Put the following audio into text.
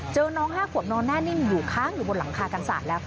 เจอน้องห้าขวบนอนแน่นิ่มอยู่ค้างอยู่บนหลังคากรรษาันทรัพย์แล้ว